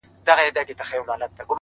عمل تر خبرو غوره دی.!